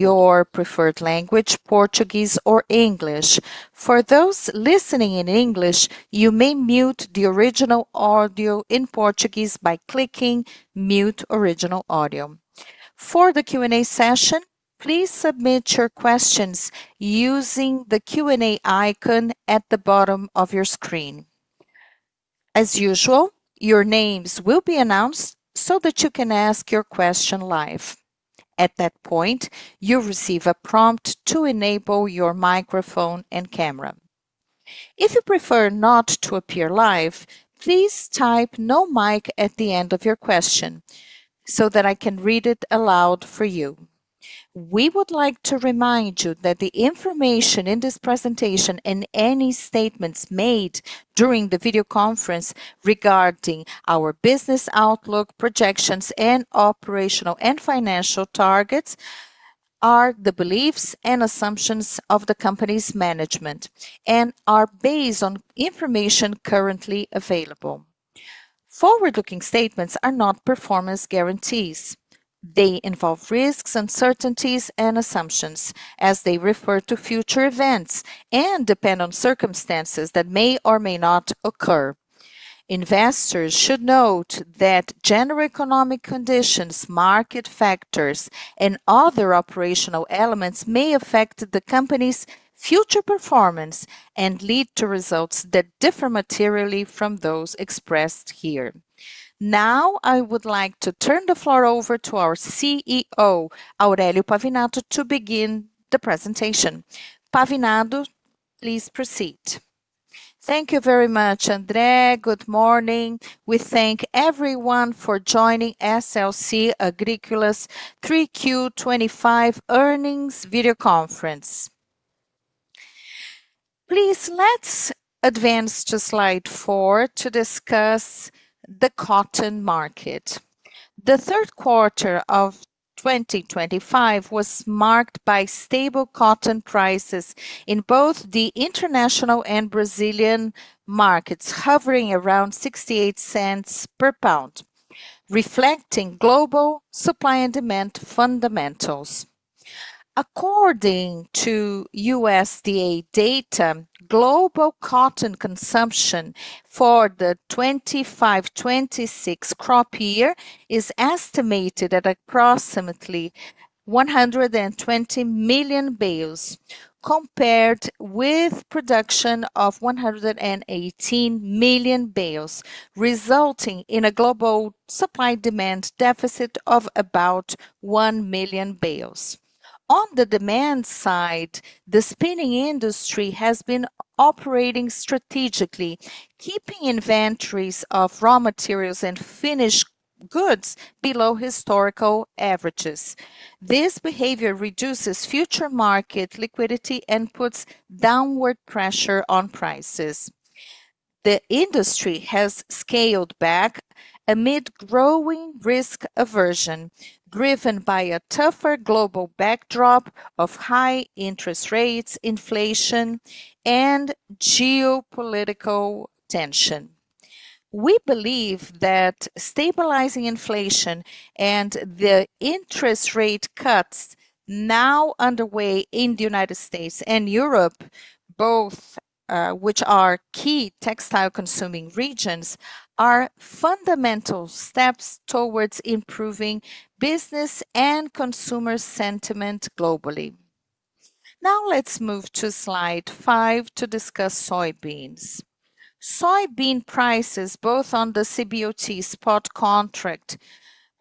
Your preferred language: Portuguese or English. For those listening in English, you may mute the original audio in Portuguese by clicking "Mute Original Audio." For the Q&A session, please submit your questions using the Q&A icon at the bottom of your screen. As usual, your names will be announced so that you can ask your question live. At that point, you receive a prompt to enable your microphone and camera. If you prefer not to appear live, please type "No mic" at the end of your question so that I can read it aloud for you. We would like to remind you that the information in this presentation and any statements made during the video conference regarding our business outlook, projections, and operational and financial targets are the beliefs and assumptions of the company's management and are based on information currently available. Forward-looking statements are not performance guarantees. They involve risks, uncertainties, and assumptions, as they refer to future events and depend on circumstances that may or may not occur. Investors should note that general economic conditions, market factors, and other operational elements may affect the company's future performance and lead to results that differ materially from those expressed here. Now, I would like to turn the floor over to our CEO, Aurélio Pavinato, to begin the presentation. Pavinato, please proceed. Thank you very much, André. Good morning. We thank everyone for joining SLC Agrícola's 3Q2025 Earnings Video Conference. Please let's advance to slide four to discuss the cotton market. The third quarter of 2025 was marked by stable cotton prices in both the international and Brazilian markets, hovering around $0.68 per pound, reflecting global supply and demand fundamentals. According to USDA data, global cotton consumption for the 2025-2026 crop year is estimated at approximately 120 million bales, compared with production of 118 million bales, resulting in a global supply-demand deficit of about one million bales. On the demand side, the spinning industry has been operating strategically, keeping inventories of raw materials and finished goods below historical averages. This behavior reduces future market liquidity and puts downward pressure on prices. The industry has scaled back amid growing risk aversion, driven by a tougher global backdrop of high interest rates, inflation, and geopolitical tension. We believe that stabilizing inflation and the interest rate cuts now underway in the United States and Europe, both of which are key textile-consuming regions, are fundamental steps towards improving business and consumer sentiment globally. Now, let's move to slide five to discuss soybeans. Soybean prices, both on the CBOT spot contract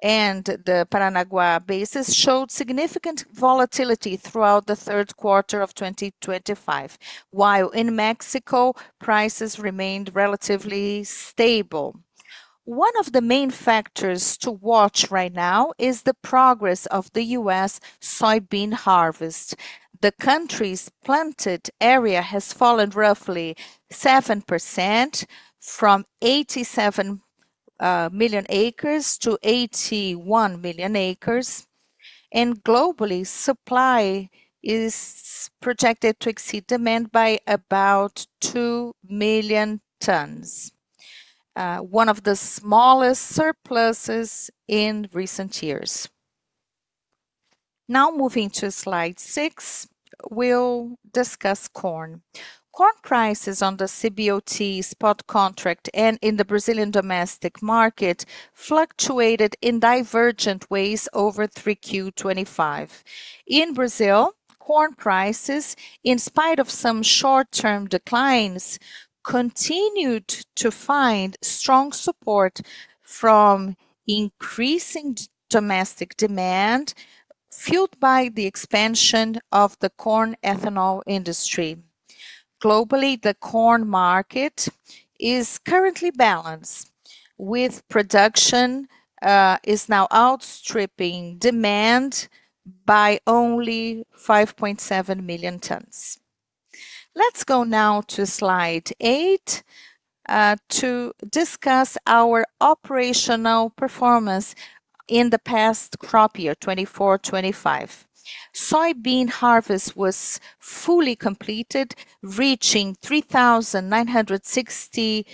and the Paranaguá basis, showed significant volatility throughout the third quarter of 2025, while in Mexico, prices remained relatively stable. One of the main factors to watch right now is the progress of the U.S. soybean harvest. The country's planted area has fallen roughly 7% from 87 million acres to 81 million acres, and globally, supply is projected to exceed demand by about 2 million tons, one of the smallest surpluses in recent years. Now, moving to slide six, we'll discuss corn. Corn prices on the CBOT spot contract and in the Brazilian domestic market fluctuated in divergent ways over 3Q25. In Brazil, corn prices, in spite of some short-term declines, continued to find strong support from increasing domestic demand, fueled by the expansion of the corn ethanol industry. Globally, the corn market is currently balanced, with production now outstripping demand by only 5.7 million tons. Let's go now to slide eight to discuss our operational performance in the past crop year, 2024-2025. Soybean harvest was fully completed, reaching 3,960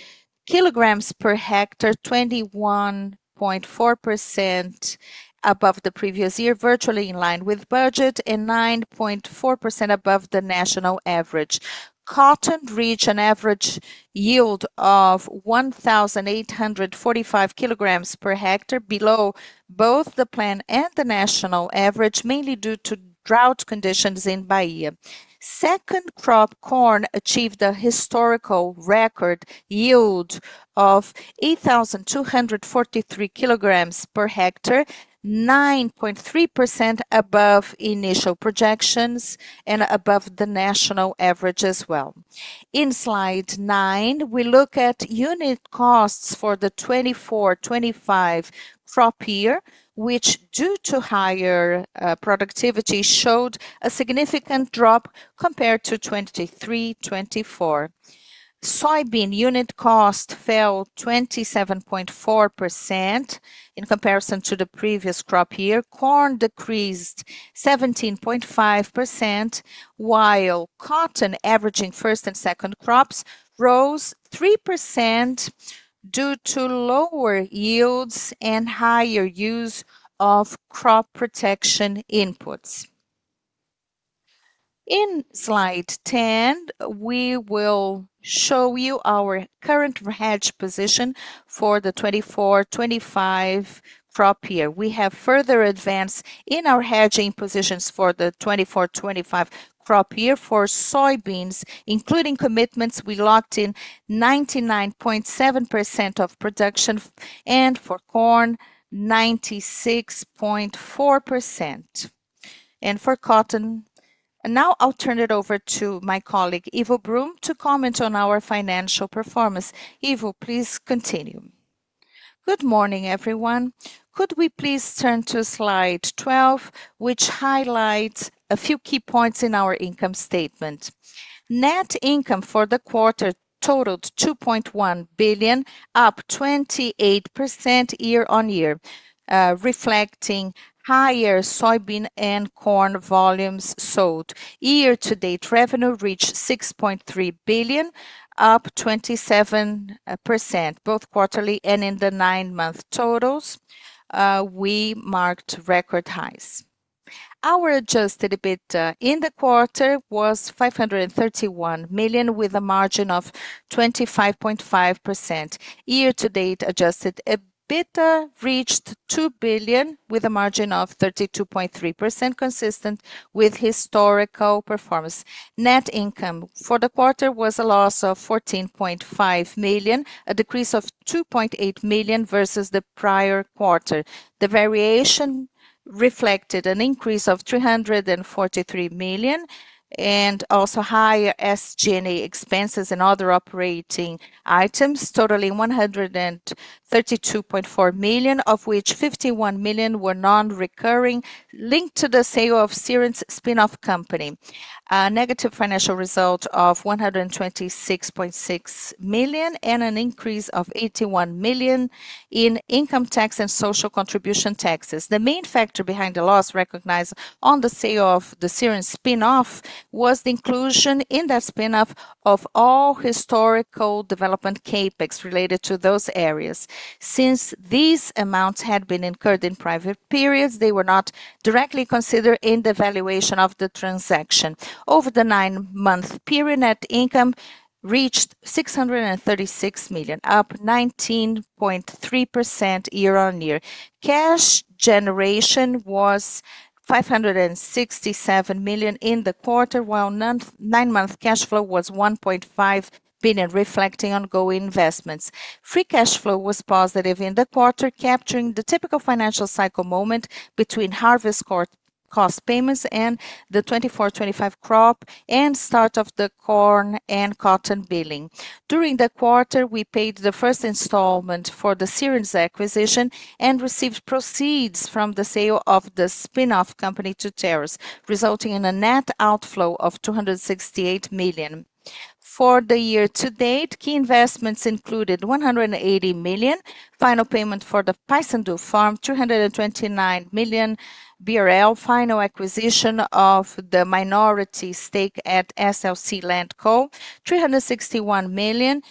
kg per hectare, 21.4% above the previous year, virtually in line with budget, and 9.4% above the national average. Cotton reached an average yield of 1,845 kg per hectare, below both the plan and the national average, mainly due to drought conditions in Bahia. Second crop, corn, achieved a historical record yield of 8,243 kg per hectare, 9.3% above initial projections and above the national average as well. In slide nine, we look at unit costs for the 2024-2025 crop year, which, due to higher productivity, showed a significant drop compared to 2023-2024. Soybean unit cost fell 27.4% in comparison to the previous crop year. Corn decreased 17.5%, while cotton averaging first and second crops rose 3% due to lower yields and higher use of crop protection inputs. In slide ten, we will show you our current hedge position for the 2024-2025 crop year. We have further advanced in our hedging positions for the 2024-2025 crop year for soybeans, including commitments we locked in 99.7% of production, and for corn, 96.4%. For cotton, now I'll turn it over to my colleague, Ivo Brum, to comment on our financial performance. Ivo, please continue. Good morning, everyone. Could we please turn to slide twelve, which highlights a few key points in our income statement? Net income for the quarter totaled 2.1 billion, up 28% year on year, reflecting higher soybean and corn volumes sold. Year-to-date revenue reached 6.3 billion, up 27%, both quarterly and in the nine-month totals. We marked record highs. Our adjusted EBITDA in the quarter was 531 million, with a margin of 25.5%. Year-to-date adjusted EBITDA reached 2 billion, with a margin of 32.3%, consistent with historical performance. Net income for the quarter was a loss of 14.5 million, a decrease of 2.8 million versus the prior quarter. The variation reflected an increase of 343 million and also higher SG&A expenses and other operating items, totaling 132.4 million, of which 51 million were non-recurring, linked to the sale of Sirius Spinoff Company. A negative financial result of 126.6 million and an increase of 81 million in income tax and social contribution taxes. The main factor behind the loss recognized on the sale of the Sirius Spinoff was the inclusion in that spinoff of all historical development capex related to those areas. Since these amounts had been incurred in private periods, they were not directly considered in the valuation of the transaction. Over the nine-month period, net income reached 636 million, up 19.3% year on year. Cash generation was 567 million in the quarter, while nine-month cash flow was 1.5 billion, reflecting ongoing investments. Free cash flow was positive in the quarter, capturing the typical financial cycle moment between harvest cost payments and the 2024-2025 crop and start of the corn and cotton billing. During the quarter, we paid the first installment for the Sirius Agro acquisition and received proceeds from the sale of the spinoff company to Terrace, resulting in a net outflow of 268 million. For the year-to-date, key investments included 180 million, final payment for the Pisandu Farm, 229 million BRL, final acquisition of the minority stake at SLC LandCo, 361 million,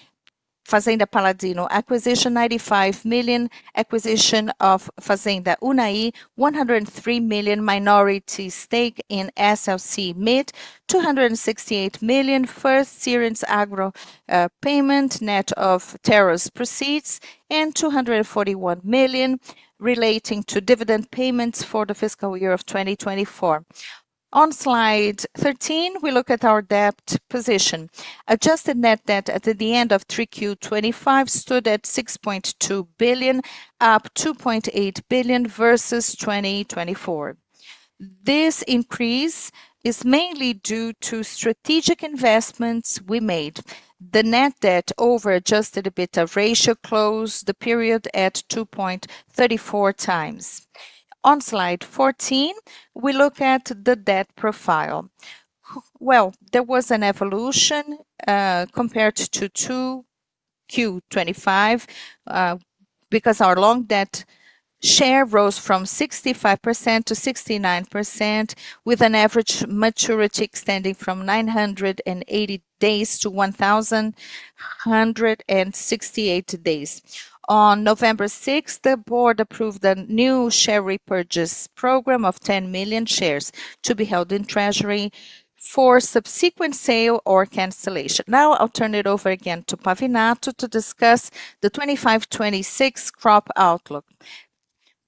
Fazenda Paladino acquisition, 95 million, acquisition of Fazenda Unaí, 103 million, minority stake in SLC MID, 268 million, first Sirius Agro payment net of Terrace proceeds, and 241 million relating to dividend payments for the fiscal year of 2024. On slide thirteen, we look at our debt position. Adjusted net debt at the end of 3Q25 stood at 6.2 billion, up 2.8 billion versus 2024. This increase is mainly due to strategic investments we made. The net debt over adjusted EBITDA ratio closed the period at 2.34 times. On slide fourteen, we look at the debt profile. There was an evolution compared to 2Q 2025 because our long debt share rose from 65% to 69%, with an average maturity extending from 980 days to 1,168 days. On November sixth, the board approved a new share repurchase program of 10 million shares to be held in treasury for subsequent sale or cancellation. Now, I'll turn it over again to Pavinato to discuss the 2025-2026 crop outlook.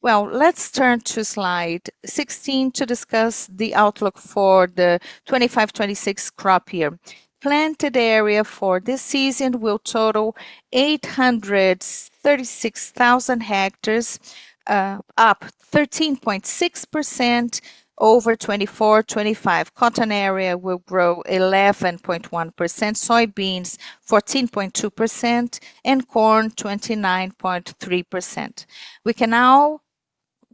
Let's turn to slide sixteen to discuss the outlook for the 2025-2026 crop year. Planted area for this season will total 836,000 hectares, up 13.6% over 2024-2025. Cotton area will grow 11.1%, soybeans 14.2%, and corn 29.3%. We can now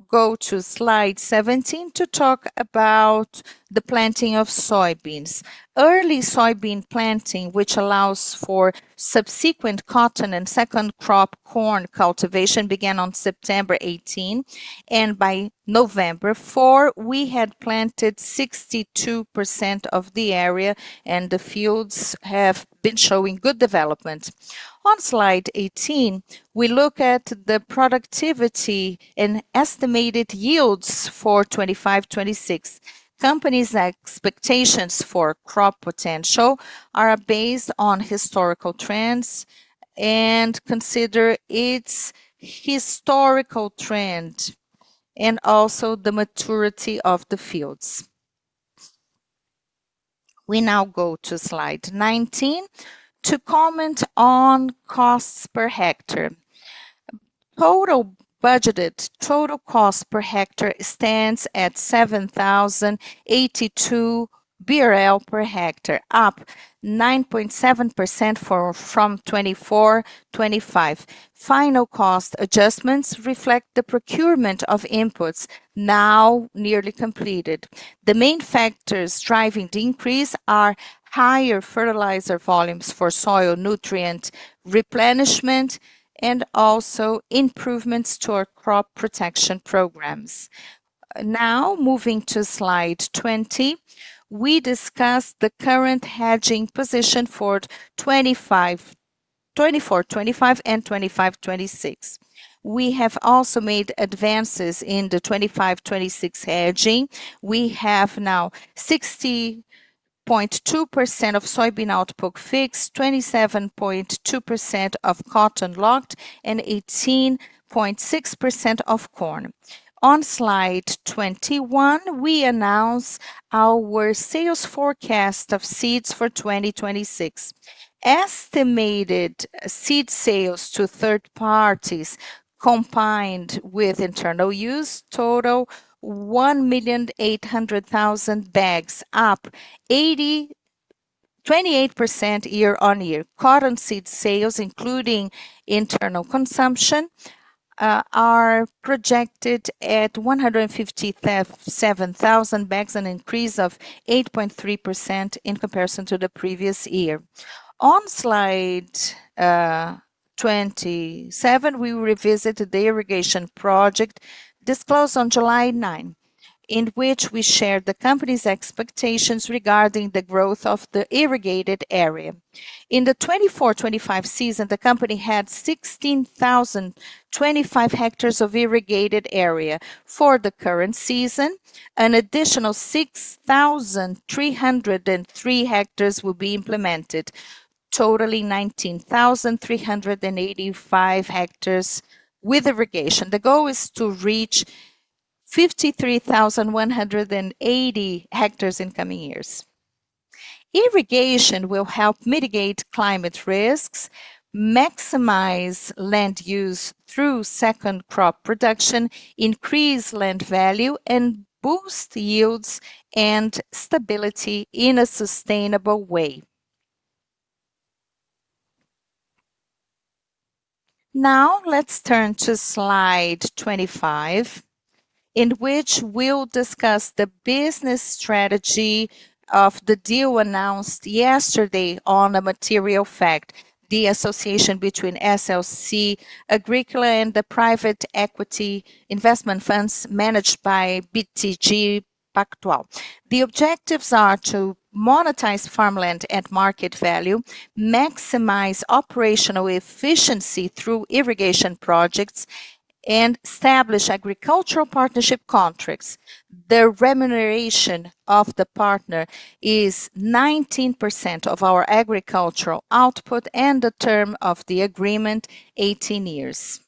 go to slide seventeen to talk about the planting of soybeans. Early soybean planting, which allows for subsequent cotton and second crop corn cultivation, began on September eighteen, and by November four, we had planted 62% of the area, and the fields have been showing good development. On slide eighteen, we look at the productivity and estimated yields for 2025-2026. Company's expectations for crop potential are based on historical trends and consider its historical trend and also the maturity of the fields. We now go to slide nineteen to comment on costs per hectare. Total budgeted total cost per hectare stands at 7,082 BRL per hectare, up 9.7% from 2024-2025. Final cost adjustments reflect the procurement of inputs now nearly completed. The main factors driving the increase are higher fertilizer volumes for soil nutrient replenishment and also improvements to our crop protection programs. Now, moving to slide twenty, we discuss the current hedging position for 2024-2025 and 2025-2026. We have also made advances in the 2025-2026 hedging. We have now 60.2% of soybean output fixed, 27.2% of cotton locked, and 18.6% of corn. On slide twenty-one, we announce our sales forecast of seeds for 2026. Estimated seed sales to third parties, combined with internal use, total 1,800,000 bags, up 28% year on year. Cotton seed sales, including internal consumption, are projected at 157,000 bags, an increase of 8.3% in comparison to the previous year. On slide twenty-seven, we revisited the irrigation project disclosed on July nine, in which we shared the company's expectations regarding the growth of the irrigated area. In the 2024-2025 season, the company had 16,025 hectares of irrigated area. For the current season, an additional 6,303 hectares will be implemented, totaling 19,385 hectares with irrigation. The goal is to reach 53,180 hectares in coming years. Irrigation will help mitigate climate risks, maximize land use through second crop production, increase land value, and boost yields and stability in a sustainable way. Now, let's turn to slide twenty-five, in which we'll discuss the business strategy of the deal announced yesterday on a material fact, the association between SLC Agrícola and the private equity investment funds managed by BTG Pactual. The objectives are to monetize farmland at market value, maximize operational efficiency through irrigation projects, and establish agricultural partnership contracts. The remuneration of the partner is 19% of our agricultural output, and the term of the agreement is 18 years,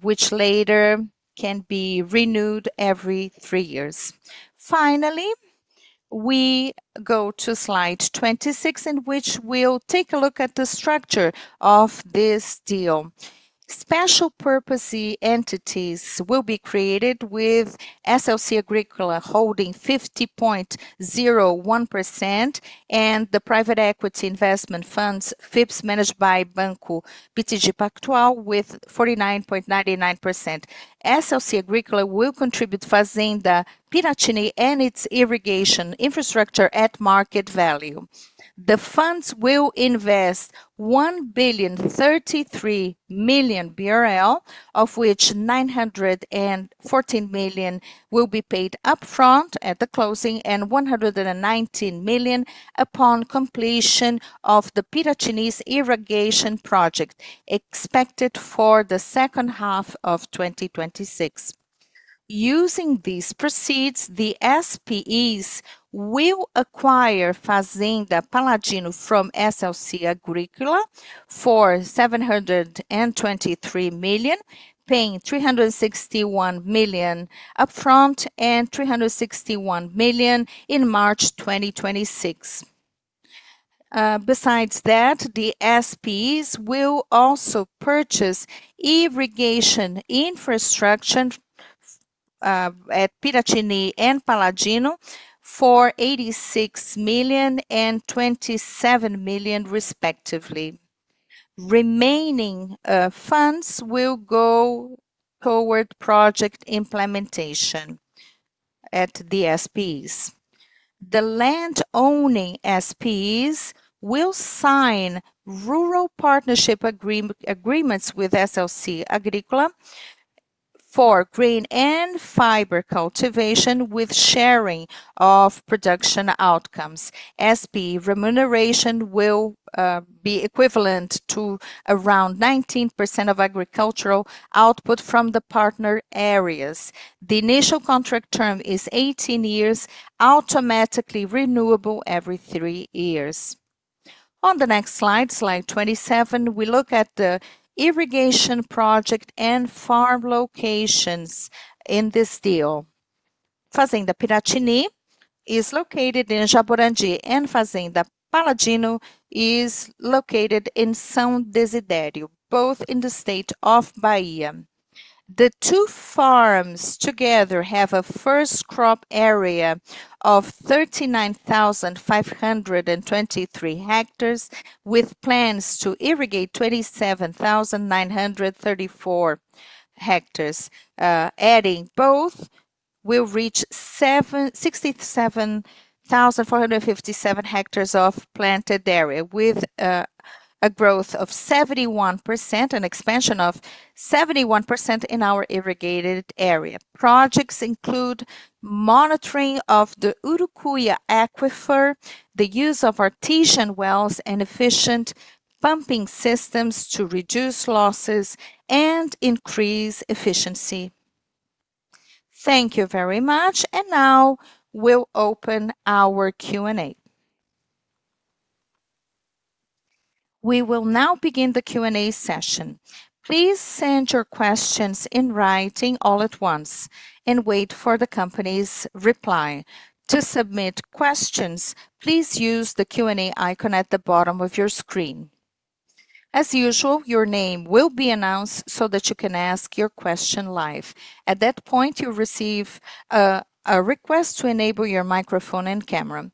which later can be renewed every three years. Finally, we go to slide twenty-six, in which we'll take a look at the structure of this deal. Special purpose entities will be created with SLC Agrícola holding 50.01%, and the private equity investment funds FIPS managed by BTG Pactual with 49.99%. SLC Agrícola will contribute Fazenda Piratini and its irrigation infrastructure at market value. The funds will invest 1,033 million BRL, of which 914 million will be paid upfront at the closing and 119 million upon completion of Piratini's irrigation project, expected for the second half of 2026. Using these proceeds, the SPEs will acquire Fazenda Paladino from SLC Agrícola for 723 million, paying 361 million upfront and 361 million in March 2026. Besides that, the SPEs will also purchase irrigation infrastructure at Piratini and Paladino for 86 million and 27 million, respectively. Remaining funds will go toward project implementation at the SPEs. The land-owning SPEs will sign rural partnership agreements with SLC Agrícola for grain and fiber cultivation with sharing of production outcomes. SPE remuneration will be equivalent to around 19% of agricultural output from the partner areas. The initial contract term is 18 years, automatically renewable every three years. On the next slide, slide twenty-seven, we look at the irrigation project and farm locations in this deal. Fazenda Piratini is located in Jaborandi, and Fazenda Paladino is located in São Desidério, both in the state of Bahia. The two farms together have a first crop area of 39,523 hectares, with plans to irrigate 27,934 hectares. Adding both, we'll reach 67,457 hectares of planted area with a growth of 71% and expansion of 71% in our irrigated area. Projects include monitoring of the Urucuya aquifer, the use of artesian wells, and efficient pumping systems to reduce losses and increase efficiency. Thank you very much, and now we'll open our Q&A. We will now begin the Q&A session. Please send your questions in writing all at once and wait for the company's reply. To submit questions, please use the Q&A icon at the bottom of your screen. As usual, your name will be announced so that you can ask your question live. At that point, you'll receive a request to enable your microphone and camera.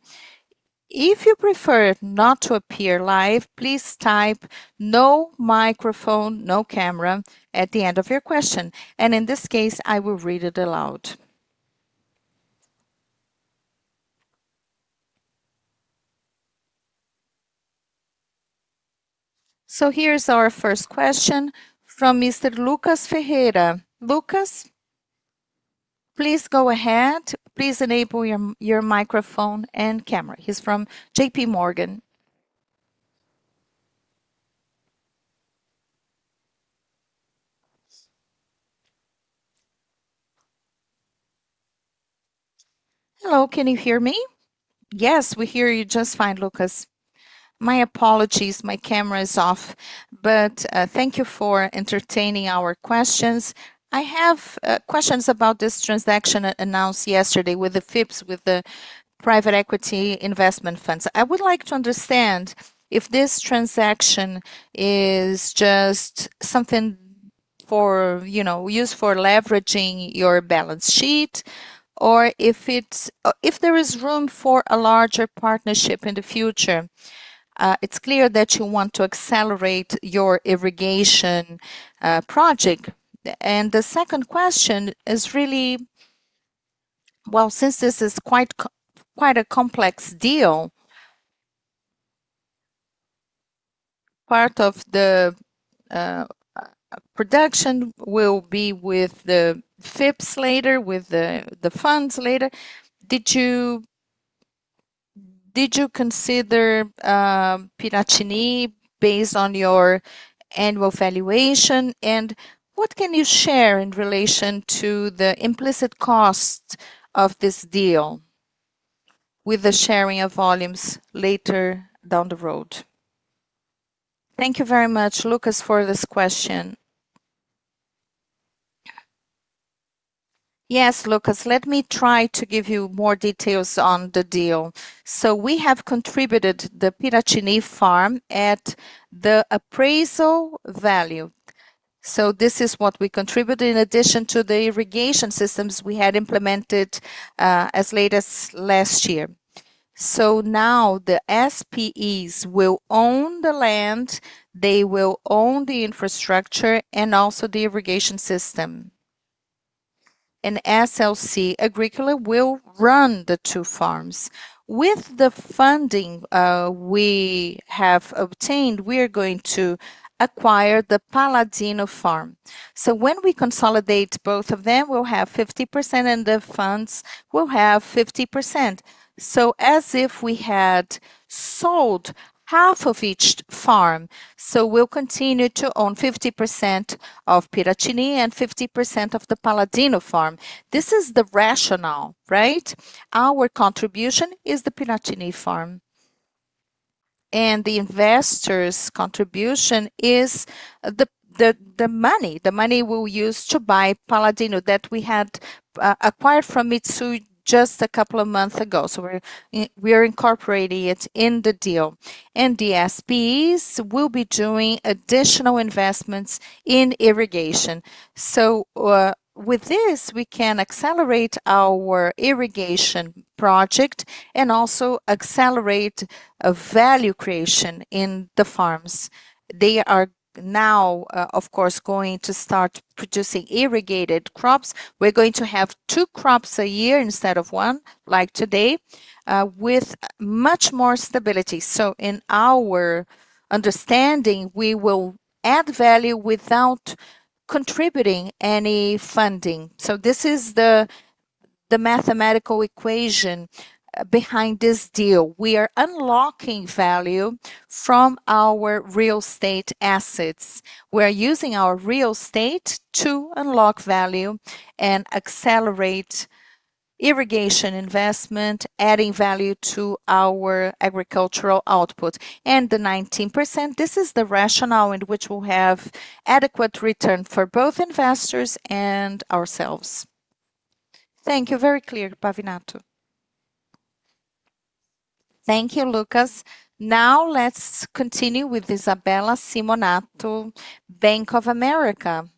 If you prefer not to appear live, please type "no microphone, no camera" at the end of your question, and in this case, I will read it aloud. Here is our first question from Mr. Lucas Ferreira. Lucas, please go ahead. Please enable your microphone and camera. He is from JP Morgan. Hello, can you hear me? Yes, we hear you just fine, Lucas. My apologies, my camera is off, but thank you for entertaining our questions. I have questions about this transaction announced yesterday with the FIPS, with the private equity investment funds. I would like to understand if this transaction is just something for, you know, used for leveraging your balance sheet or if there is room for a larger partnership in the future. It is clear that you want to accelerate your irrigation project. The second question is really, since this is quite a complex deal, part of the production will be with the FIPS later, with the funds later. Did you consider Piratini based on your annual valuation? What can you share in relation to the implicit costs of this deal with the sharing of volumes later down the road? Thank you very much, Lucas, for this question. Yes, Lucas, let me try to give you more details on the deal. We have contributed the Piratini farm at the appraisal value. This is what we contributed in addition to the irrigation systems we had implemented as late as last year. Now the SPEs will own the land, they will own the infrastructure, and also the irrigation system. SLC Agrícola will run the two farms. With the funding we have obtained, we are going to acquire the Paladino farm. When we consolidate both of them, we'll have 50%, and the funds will have 50%. It is as if we had sold half of each farm. We will continue to own 50% of Piratini and 50% of the Paladino farm. This is the rationale, right? Our contribution is the Piratini farm, and the investor's contribution is the money. The money we will use to buy Paladino that we had acquired from Mitsui just a couple of months ago. We are incorporating it in the deal. The SPEs will be doing additional investments in irrigation. With this, we can accelerate our irrigation project and also accelerate value creation in the farms. They are now, of course, going to start producing irrigated crops. We are going to have two crops a year instead of one, like today, with much more stability. In our understanding, we will add value without contributing any funding. This is the mathematical equation behind this deal. We are unlocking value from our real estate assets. We are using our real estate to unlock value and accelerate irrigation investment, adding value to our agricultural output. The 19%, this is the rationale in which we will have adequate return for both investors and ourselves. Thank you. Very clear, Pavinato. Thank you, Lucas. Now let's continue with Isabella Simonato, Bank of America.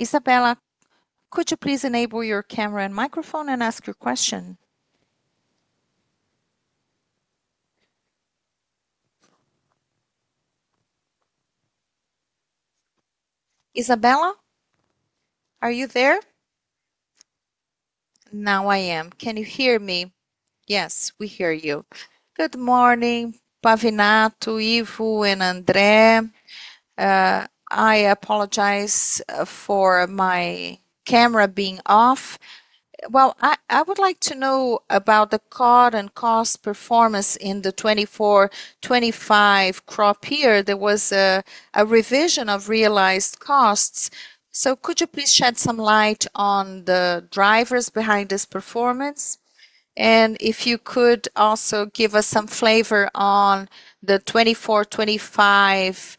Isabella, could you please enable your camera and microphone and ask your question? Isabella, are you there? Now I am. Can you hear me? Yes, we hear you. Good morning, Pavinato, Ivo, and André. I apologize for my camera being off. I would like to know about the COT and cost performance in the 2024-2025 crop year. There was a revision of realized costs. Could you please shed some light on the drivers behind this performance? If you could also give us some flavor on the 2024-2025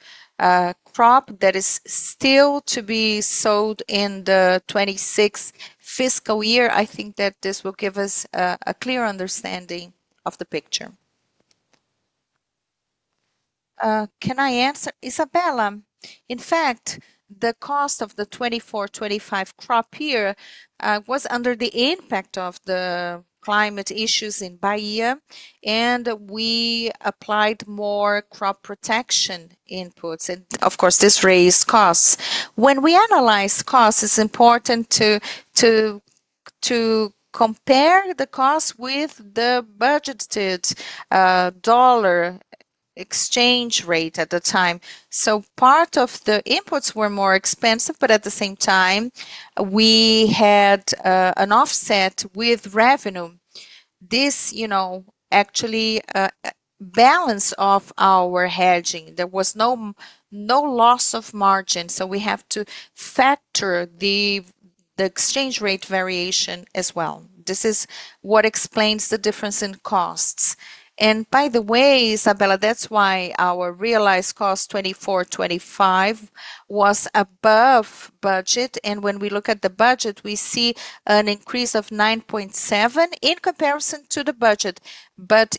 crop that is still to be sold in the 2026 fiscal year, I think that this will give us a clear understanding of the picture. Can I answer? Isabella, in fact, the cost of the 2024-2025 crop year was under the impact of the climate issues in Bahia, and we applied more crop protection inputs. Of course, this raised costs. When we analyze costs, it's important to compare the costs with the budgeted dollar exchange rate at the time. Part of the inputs were more expensive, but at the same time, we had an offset with revenue. This, you know, actually balanced off our hedging. There was no loss of margin. We have to factor the exchange rate variation as well. This is what explains the difference in costs. By the way, Isabella, that's why our realized cost 2024-2025 was above budget. When we look at the budget, we see an increase of 9.7% in comparison to the budget.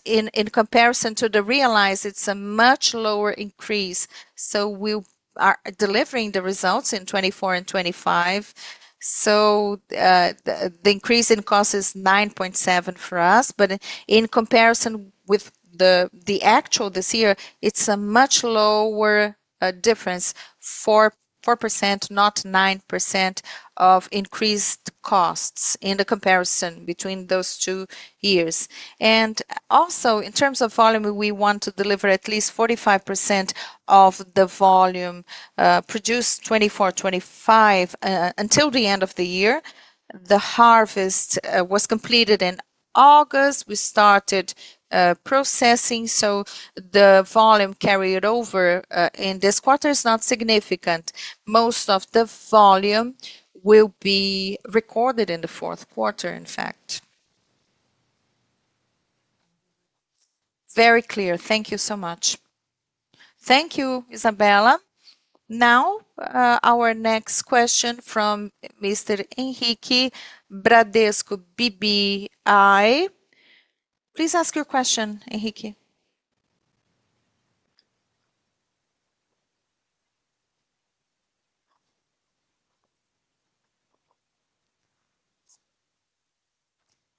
In comparison to the realized, it's a much lower increase. We are delivering the results in 2024 and 2025. The increase in cost is 9.7% for us. In comparison with the actual this year, it's a much lower difference, 4%, not 9% of increased costs in the comparison between those two years. Also, in terms of volume, we want to deliver at least 45% of the volume produced 2024-2025 until the end of the year. The harvest was completed in August. We started processing, so the volume carried over in this quarter is not significant. Most of the volume will be recorded in the fourth quarter, in fact. Very clear. Thank you so much. Thank you, Isabella. Now, our next question from Mr. Henrique, Bradesco BBI. Please ask your question, Henrique.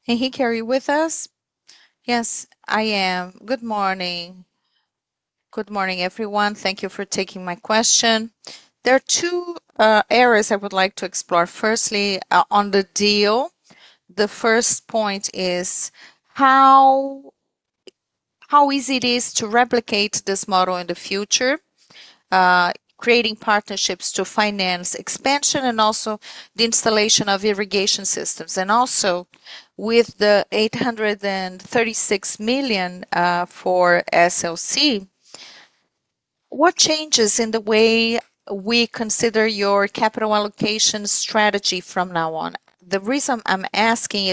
Henrique, are you with us? Yes, I am. Good morning. Good morning, everyone. Thank you for taking my question. There are two areas I would like to explore. Firstly, on the deal, the first point is how easy it is to replicate this model in the future, creating partnerships to finance expansion and also the installation of irrigation systems. Also, with the 836 million for SLC, what changes in the way we consider your capital allocation strategy from now on? The reason I'm asking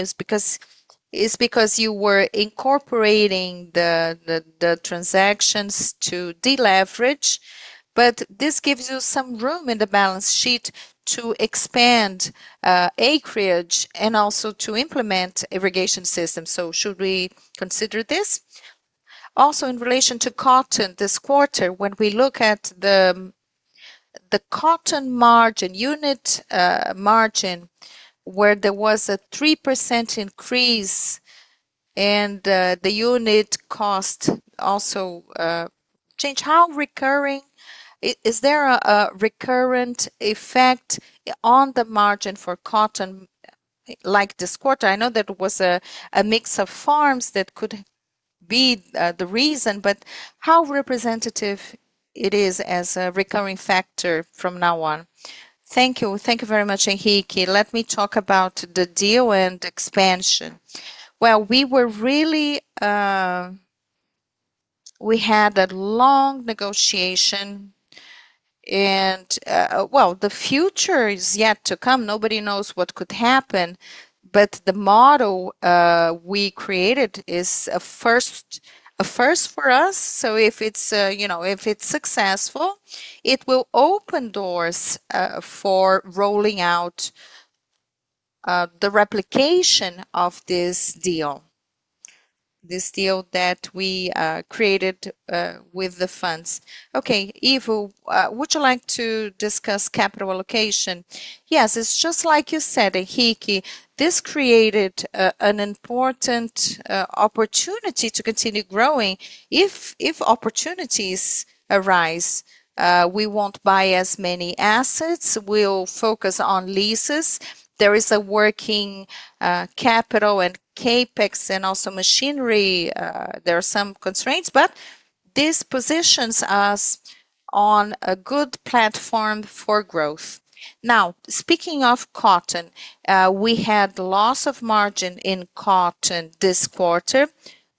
is because you were incorporating the transactions to deleverage, but this gives you some room in the balance sheet to expand acreage and also to implement irrigation systems. Should we consider this? Also, in relation to cotton this quarter, when we look at the cotton margin, unit margin, where there was a 3% increase and the unit cost also changed, how recurring is there a recurrent effect on the margin for cotton like this quarter? I know that it was a mix of farms that could be the reason, but how representative it is as a recurring factor from now on? Thank you. Thank you very much, Henrique. Let me talk about the deal and expansion. We were really, we had a long negotiation and, the future is yet to come. Nobody knows what could happen, but the model we created is a first for us. If it is, you know, if it is successful, it will open doors for rolling out the replication of this deal, this deal that we created with the funds. Okay, Ivo, would you like to discuss capital allocation? Yes, it is just like you said, Henrique. This created an important opportunity to continue growing. If opportunities arise, we will not buy as many assets. We will focus on leases. There is a working capital and capex and also machinery. There are some constraints, but this positions us on a good platform for growth. Now, speaking of cotton, we had loss of margin in cotton this quarter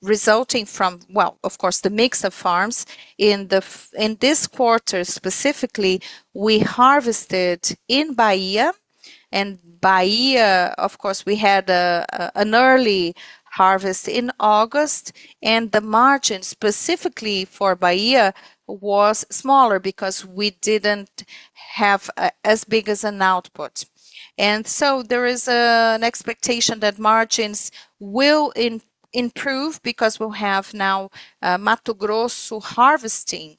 resulting from, of course, the mix of farms. In this quarter specifically, we harvested in Bahia, and Bahia, of course, we had an early harvest in August, and the margin specifically for Bahia was smaller because we did not have as big as an output. There is an expectation that margins will improve because we will have now Mato Grosso harvesting.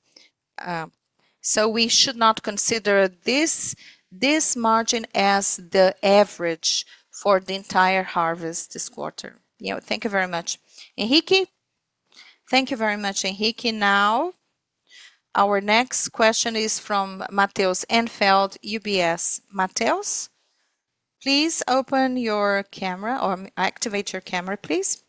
We should not consider this margin as the average for the entire harvest this quarter. Thank you very much. Henrique? Thank you very much, Henrique. Now, our next question is from Mateus Enfeld, UBS. Mateus, please open your camera or activate your camera, please.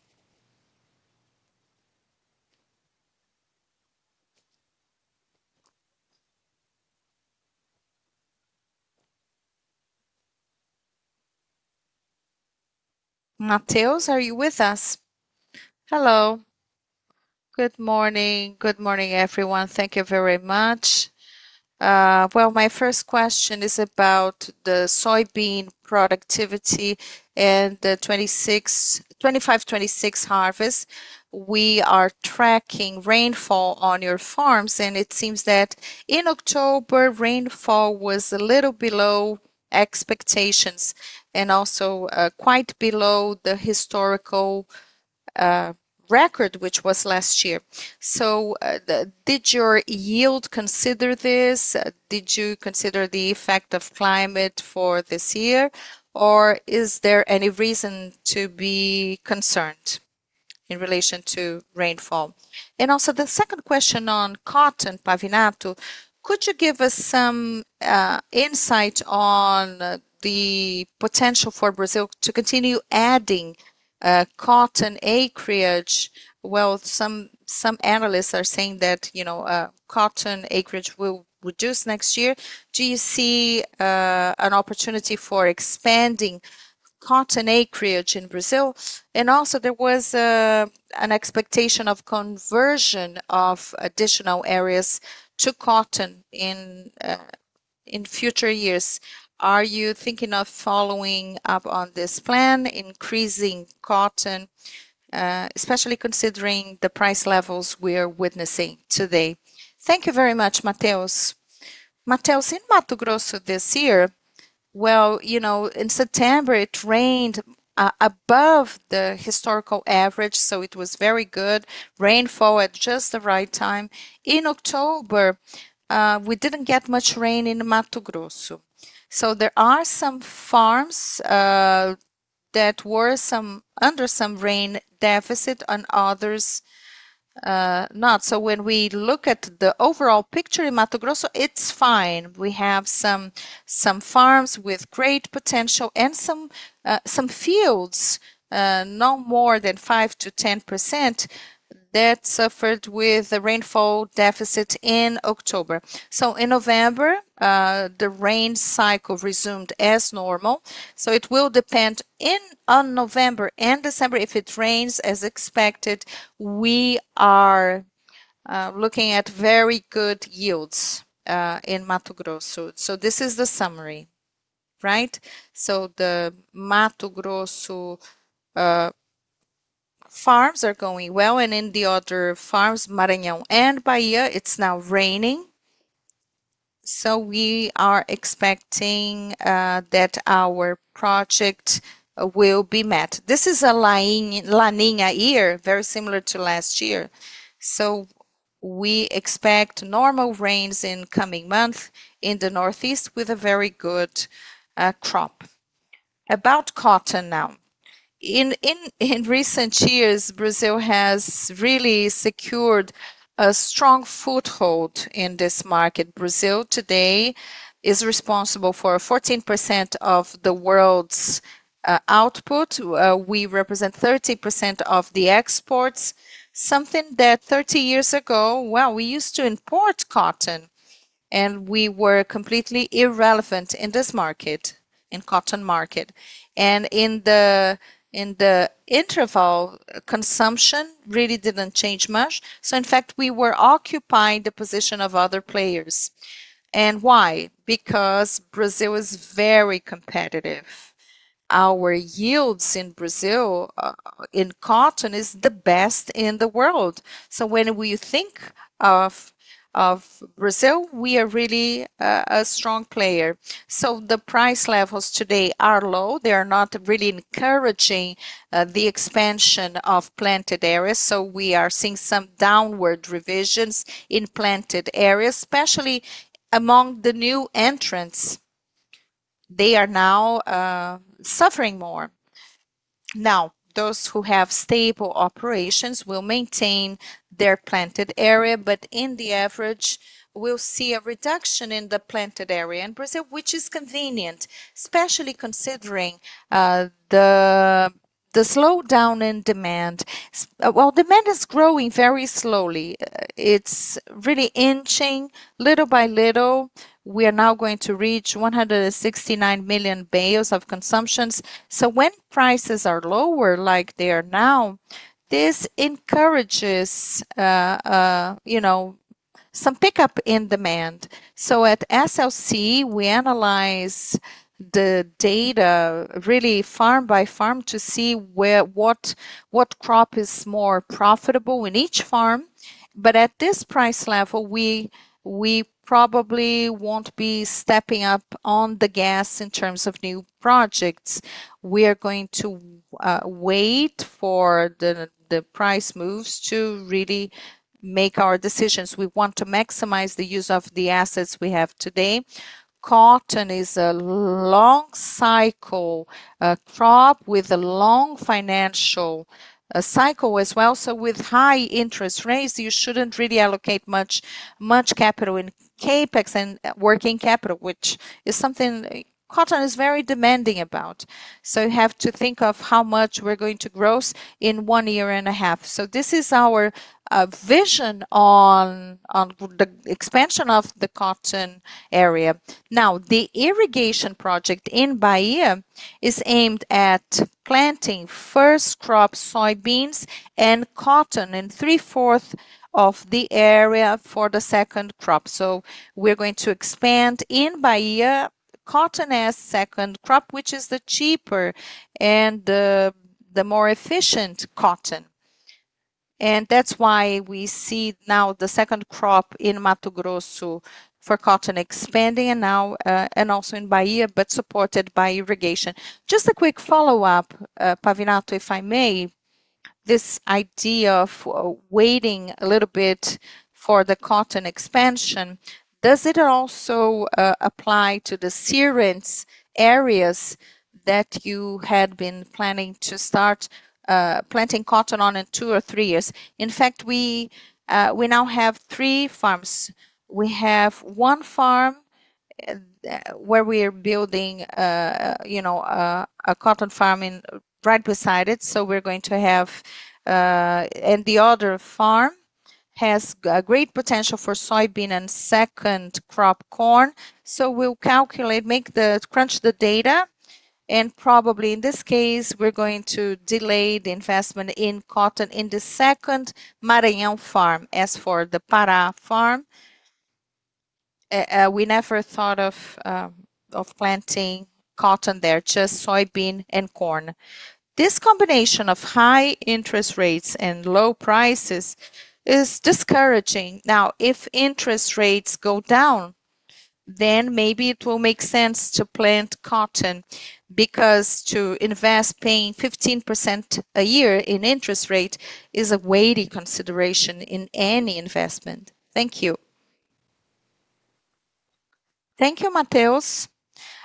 Mateus, are you with us? Hello. Good morning. Good morning, everyone. Thank you very much. My first question is about the soybean productivity and the 2025-2026 harvest. We are tracking rainfall on your farms, and it seems that in October, rainfall was a little below expectations and also quite below the historical record, which was last year. Did your yield consider this? Did you consider the effect of climate for this year, or is there any reason to be concerned in relation to rainfall? Also, the second question on cotton, Pavinato, could you give us some insight on the potential for Brazil to continue adding cotton acreage? Some analysts are saying that, you know, cotton acreage will reduce next year. Do you see an opportunity for expanding cotton acreage in Brazil? Also, there was an expectation of conversion of additional areas to cotton in future years. Are you thinking of following up on this plan, increasing cotton, especially considering the price levels we're witnessing today? Thank you very much, Mateus. Mateus, in Mato Grosso this year, you know, in September, it rained above the historical average, so it was very good. Rainfall at just the right time. In October, we did not get much rain in Mato Grosso. There are some farms that were under some rain deficit and others not. When we look at the overall picture in Mato Grosso, it is fine. We have some farms with great potential and some fields, no more than 5%-10%, that suffered with the rainfall deficit in October. In November, the rain cycle resumed as normal. It will depend on November and December. If it rains as expected, we are looking at very good yields in Mato Grosso. This is the summary, right? The Mato Grosso farms are going well, and in the other farms, Maranhão and Bahia, it is now raining. We are expecting that our project will be met. This is a La Niña year, very similar to last year. We expect normal rains in the coming months in the northeast with a very good crop. About cotton now. In recent years, Brazil has really secured a strong foothold in this market. Brazil today is responsible for 14% of the world's output. We represent 30% of the exports, something that 30 years ago, we used to import cotton, and we were completely irrelevant in this market, in the cotton market. In the interval, consumption really did not change much. In fact, we were occupying the position of other players. Why? Because Brazil is very competitive. Our yields in Brazil in cotton are the best in the world. So when we think of Brazil, we are really a strong player. The price levels today are low. They are not really encouraging the expansion of planted areas. We are seeing some downward revisions in planted areas, especially among the new entrants. They are now suffering more. Those who have stable operations will maintain their planted area, but in the average, we'll see a reduction in the planted area in Brazil, which is convenient, especially considering the slowdown in demand. Demand is growing very slowly. It's really inching little by little. We are now going to reach 169 million bales of consumption. When prices are lower like they are now, this encourages, you know, some pickup in demand. At SLC, we analyze the data really farm by farm to see what crop is more profitable in each farm. At this price level, we probably will not be stepping up on the gas in terms of new projects. We are going to wait for the price moves to really make our decisions. We want to maximize the use of the assets we have today. Cotton is a long-cycle crop with a long financial cycle as well. With high interest rates, you should not really allocate much capital in CapEx and working capital, which is something cotton is very demanding about. You have to think of how much we are going to grow in one year and a half. This is our vision on the expansion of the cotton area. Now, the irrigation project in Bahia is aimed at planting first crop, soybeans and cotton in three-fourths of the area for the second crop. We are going to expand in Bahia cotton as second crop, which is the cheaper and the more efficient cotton. That is why we see now the second crop in Mato Grosso for cotton expanding and now also in Bahia, but supported by irrigation. Just a quick follow-up, Pavinato, if I may, this idea of waiting a little bit for the cotton expansion, does it also apply to the seed rinsed areas that you had been planning to start planting cotton on in two or three years? In fact, we now have three farms. We have one farm where we are building, you know, a cotton farm right beside it. We're going to have, and the other farm has great potential for soybean and second crop corn. We'll calculate, make the crunch the data, and probably in this case, we're going to delay the investment in cotton in the second Maranhão farm. As for the Pará farm, we never thought of planting cotton there, just soybean and corn. This combination of high interest rates and low prices is discouraging. Now, if interest rates go down, then maybe it will make sense to plant cotton because to invest paying 15% a year in interest rate is a weighty consideration in any investment. Thank you. Thank you, Mateus.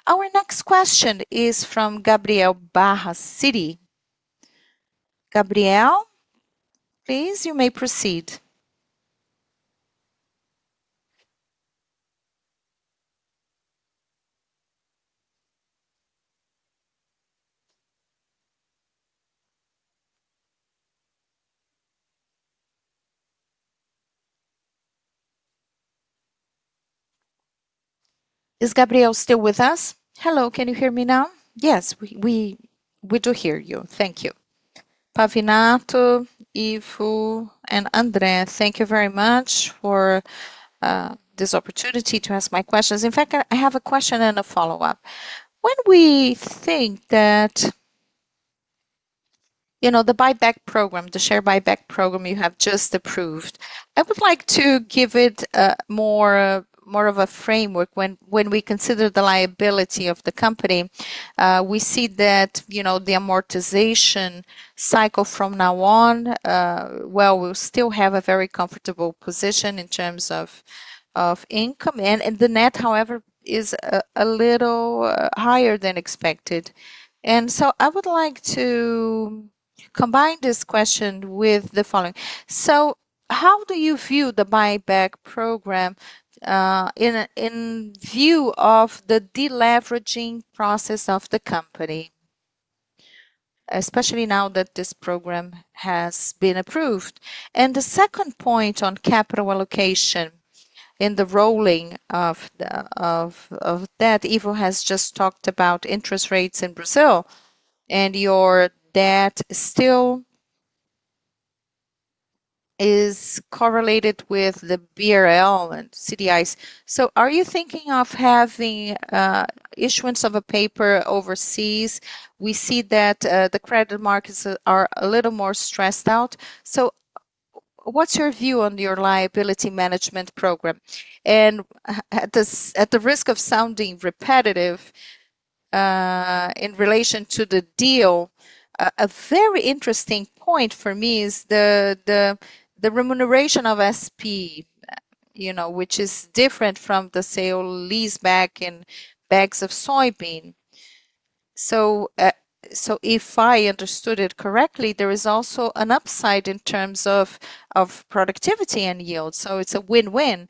Our next question is from Gabriel Coelho Barra, Citi. Gabriel, please, you may proceed. Is Gabriel still with us? Hello, can you hear me now? Yes, we do hear you. Thank you. Pavinato, Ivo, and André, thank you very much for this opportunity to ask my questions. In fact, I have a question and a follow-up. When we think that, you know, the buyback program, the share buyback program you have just approved, I would like to give it more of a framework. When we consider the liability of the company, we see that, you know, the amortization cycle from now on, we will still have a very comfortable position in terms of income, and the net, however, is a little higher than expected. I would like to combine this question with the following. How do you view the buyback program in view of the deleveraging process of the company, especially now that this program has been approved? The second point on capital allocation in the rolling of that, Ivo has just talked about interest rates in Brazil, and your debt still is correlated with the BRL and CDIs. Are you thinking of having issuance of a paper overseas? We see that the credit markets are a little more stressed out. What's your view on your liability management program? At the risk of sounding repetitive in relation to the deal, a very interesting point for me is the remuneration of SP, you know, which is different from the sale lease back in bags of soybean. If I understood it correctly, there is also an upside in terms of productivity and yield. It's a win-win.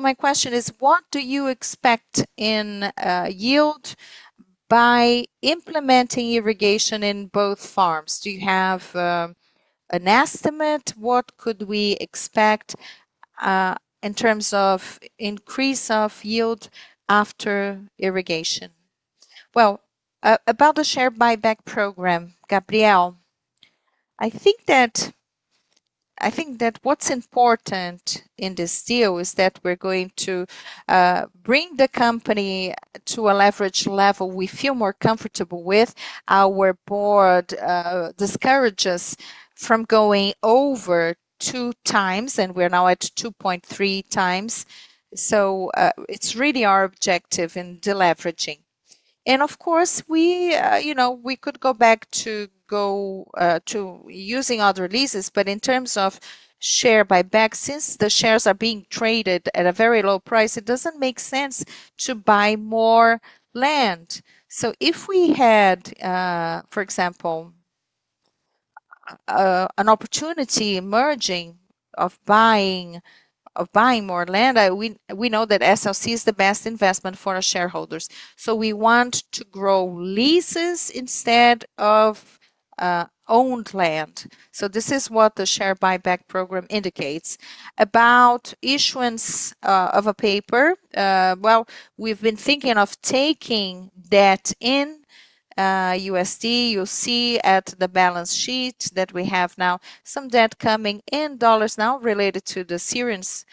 My question is, what do you expect in yield by implementing irrigation in both farms? Do you have an estimate? What could we expect in terms of increase of yield after irrigation? About the share buyback program, Gabriel, I think that what's important in this deal is that we're going to bring the company to a leverage level we feel more comfortable with. Our board discourages us from going over two times, and we're now at 2.3 times. It is really our objective in deleveraging. Of course, we, you know, we could go back to using other leases, but in terms of share buyback, since the shares are being traded at a very low price, it doesn't make sense to buy more land. If we had, for example, an opportunity emerging of buying more land, we know that SLC is the best investment for our shareholders. We want to grow leases instead of owned land. This is what the share buyback program indicates. About issuance of a paper, we have been thinking of taking debt in USD. You will see at the balance sheet that we have now some debt coming in dollars now related to the seed rinsed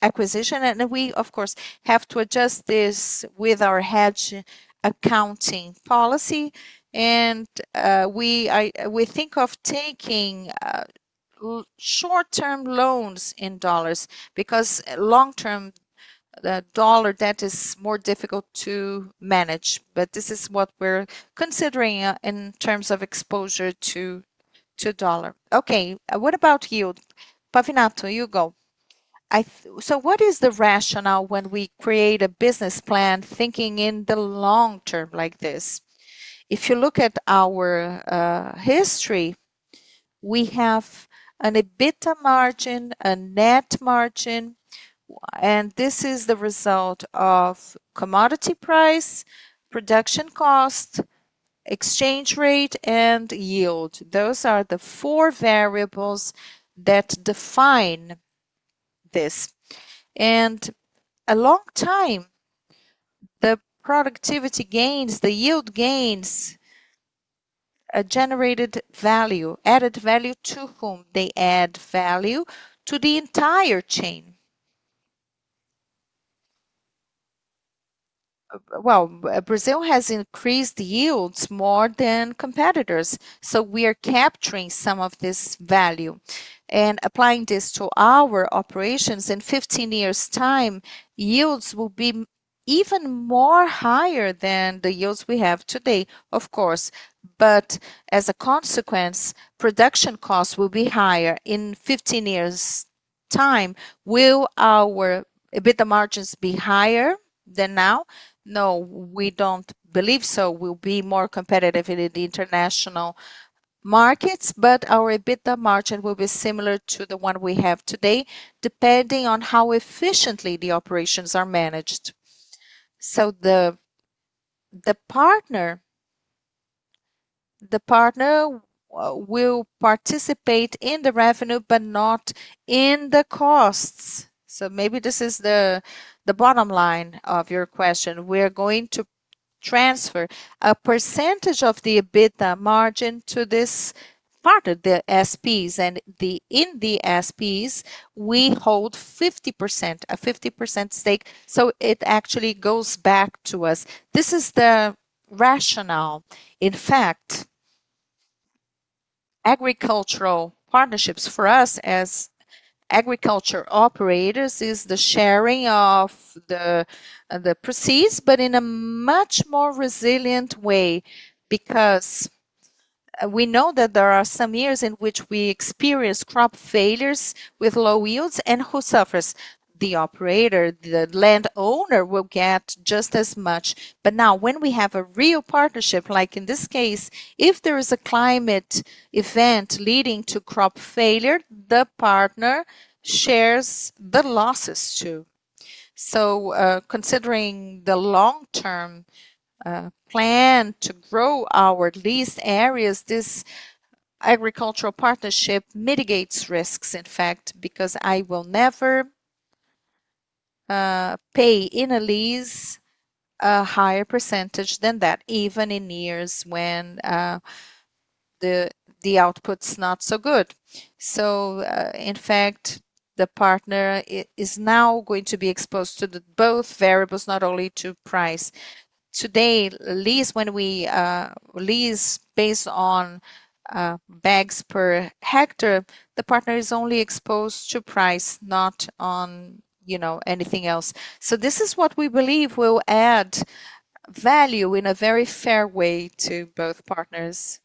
acquisition. We, of course, have to adjust this with our hedge accounting policy. We think of taking short-term loans in dollars because long-term dollar debt is more difficult to manage. This is what we are considering in terms of exposure to dollar. Okay, what about yield? Pavinato, you go. What is the rationale when we create a business plan thinking in the long term like this? If you look at our history, we have an EBITDA margin, a net margin, and this is the result of commodity price, production cost, exchange rate, and yield. Those are the four variables that define this. A long time, the productivity gains, the yield gains generated value, added value to whom they add value to the entire chain. Brazil has increased yields more than competitors. We are capturing some of this value and applying this to our operations. In 15 years' time, yields will be even higher than the yields we have today, of course. As a consequence, production costs will be higher in 15 years' time. Will our EBITDA margins be higher than now? No, we do not believe so. We will be more competitive in the international markets, but our EBITDA margin will be similar to the one we have today, depending on how efficiently the operations are managed. The partner will participate in the revenue, but not in the costs. Maybe this is the bottom line of your question. We are going to transfer a percentage of the EBITDA margin to this part of the SPEs. In the SPEs, we hold 50%, a 50% stake. It actually goes back to us. This is the rationale. In fact, agricultural partnerships for us as agriculture operators is the sharing of the proceeds, but in a much more resilient way because we know that there are some years in which we experience crop failures with low yields and who suffers. The operator, the landowner will get just as much. Now when we have a real partnership, like in this case, if there is a climate event leading to crop failure, the partner shares the losses too. Considering the long-term plan to grow our leased areas, this agricultural partnership mitigates risks, in fact, because I will never pay in a lease a higher percentage than that, even in years when the output's not so good. In fact, the partner is now going to be exposed to both variables, not only to price. Today, when we lease based on bags per hectare, the partner is only exposed to price, not on, you know, anything else. This is what we believe will add value in a very fair way to both partners.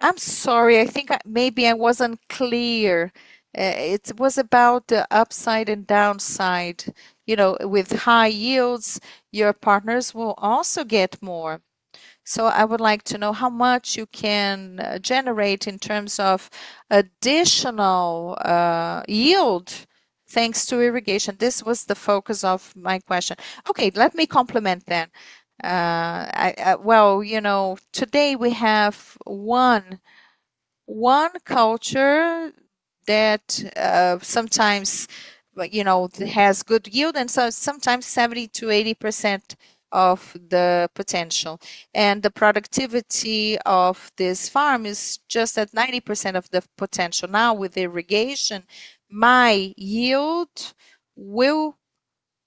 I'm sorry, I think maybe I wasn't clear. It was about the upside and downside. You know, with high yields, your partners will also get more. I would like to know how much you can generate in terms of additional yield thanks to irrigation. This was the focus of my question. Okay, let me complement that. You know, today we have one culture that sometimes, you know, has good yield and sometimes 70-80% of the potential. The productivity of this farm is just at 90% of the potential. Now with irrigation, my yield will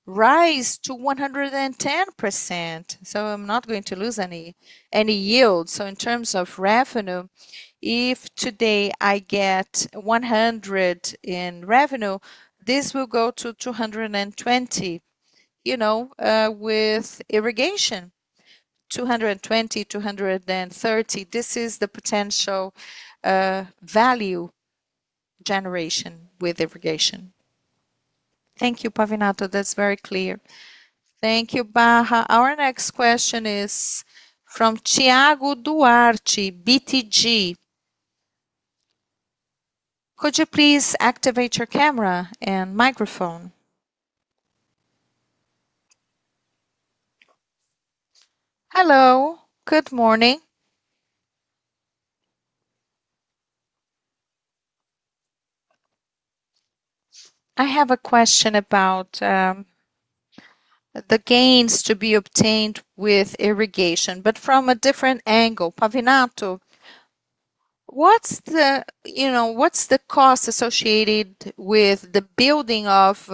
rise to 110%. I'm not going to lose any yield. In terms of revenue, if today I get 100 in revenue, this will go to 220, you know, with irrigation. 220, 230. This is the potential value generation with irrigation. Thank you, Pavinato. That's very clear. Thank you, Barra. Our next question is from Tiago Duarte, BTG. Could you please activate your camera and microphone? Hello, good morning. I have a question about the gains to be obtained with irrigation, but from a different angle. Pavinato, what's the, you know, what's the cost associated with the building of